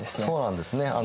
そうなんですね。